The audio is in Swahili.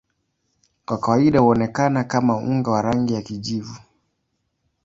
Kwa kawaida huonekana kama unga wa rangi ya kijivu.